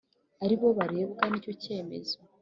Ari bo barebwa n icyo kemezo